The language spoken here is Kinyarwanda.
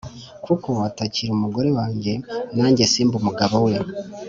kuko atakiri umugore wanjye, nanjye simbe umugabo we!